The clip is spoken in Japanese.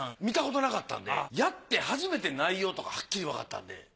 見たことなかったんでやって初めて内容とかはっきりわかったんで。